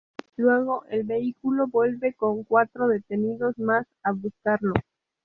Luego el vehículo vuelve con cuatro detenidos más a buscarlo.